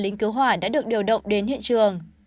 lính cứu hỏa đã được điều động đến hiện trường